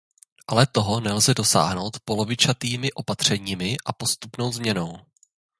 Ale toho nelze dosáhnout polovičatými opatřeními a postupnou změnou.